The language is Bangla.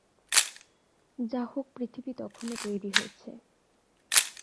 যাহোক পৃথিবী তখনও তৈরি হচ্ছে।